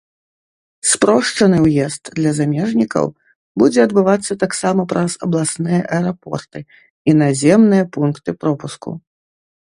Спрошчаны ўезд для замежнікаў будзе адбывацца таксама праз абласныя аэрапорты і наземныя пункты пропуску.